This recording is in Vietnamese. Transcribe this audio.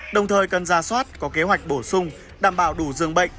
đồng thời cần ra soát có kế hoạch bổ sung đảm bảo đủ dương bệnh